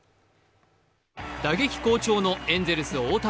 打撃好調のエンゼルス・大谷